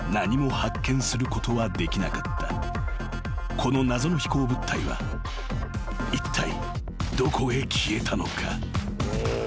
［この謎の飛行物体はいったいどこへ消えたのか？］